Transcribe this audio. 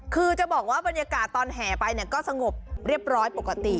คือจะบอกว่าบรรยากาศตอนแห่ไปก็สงบเรียบร้อยปกติ